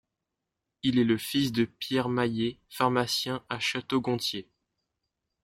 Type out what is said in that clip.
Il est le fils de Pierre Mahier, pharmacien à Château-Gontier.